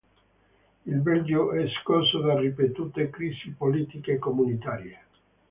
Il Belgio è scosso da ripetute crisi politiche comunitarie.